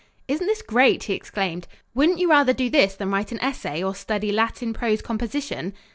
"Isn't this great!" he exclaimed. "Wouldn't you rather do this than write an essay or study Latin prose composition?"